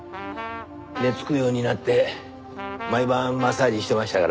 寝つくようになって毎晩マッサージしてましたから。